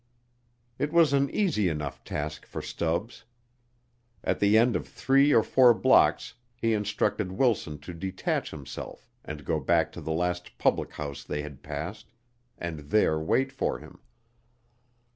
It was an easy enough task for Stubbs. At the end of three or four blocks he instructed Wilson to detach himself and go back to the last public house they had passed and there wait for him.